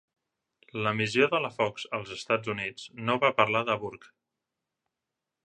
L'emissió de la Fox als Estats Units no va parlar de Burke.